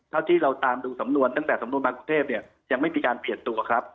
เท่าที่เราตามดูสำนวนตั้งแต่สำนวนมากรุงเทพเนี่ยยังไม่มีการเปลี่ยนตัวครับ